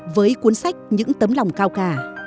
với cuốn sách những tấm lòng cao cả